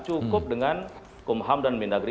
cukup dengan kum ham dan bindageri